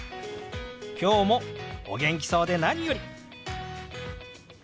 今日もお元気そうで何より！